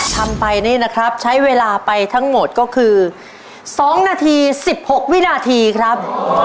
ทำไปนี่นะครับใช้เวลาไปทั้งหมดก็คือ๒นาที๑๖วินาทีครับ